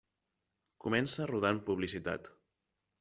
Comença rodant publicitat.